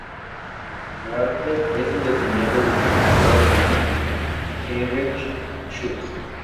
Walker es un descendiente del compositor alemán Heinrich Schütz.